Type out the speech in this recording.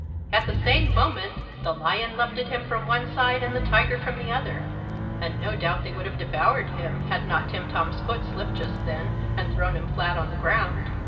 At the same moment the lion leaped at him from one side and the tiger from the other, and no doubt they would have devoured him had not Timtom's foot slipped just then and thrown him flat on the ground.